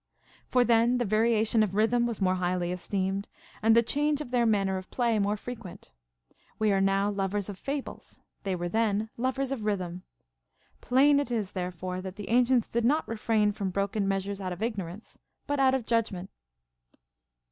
For then the variation of rhythm was more highly esteemed, and the change of their manner of play more frequent, ΛΥβ are now lovers of fables, they were then lovers of rbytlim. Plain it is therefore, that the ancients did not refrain from 118 CONCERNING MUSIC. broken measures out of ignorance, but out of judgment.